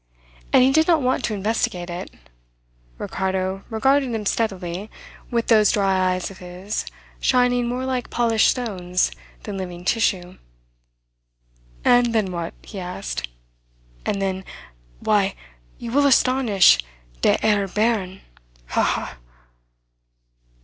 And he did not want to investigate it. Ricardo regarded him steadily, with those dry eyes of his shining more like polished stones than living tissue. "And then what?" he asked. "And then why, you will astonish der herr baron ha, ha!"